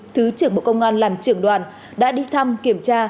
thứ trưởng bộ công an làm trưởng đoàn đã đi thăm kiểm tra